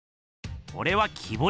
これは木ぼり。